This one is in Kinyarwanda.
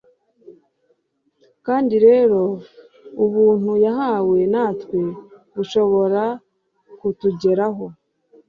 kandi rero ubuntu yahawe natwe bushobora kutugeraho.